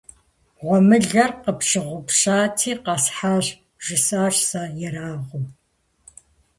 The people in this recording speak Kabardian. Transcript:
- Гъуэмылэр къыпщыгъупщати къэсхьащ! - жысӀащ сэ ерагъыу.